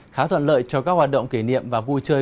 khá thuận lợi cho các hoạt động kỷ niệm và vui chơi